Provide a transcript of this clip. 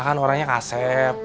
kan orangnya kaset